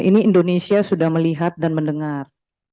ini indonesia sudah melihat dan mendengar